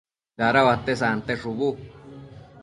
dada uate sante shubu